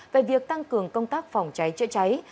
về việc tăng cường công tác phòng cháy chữa cháy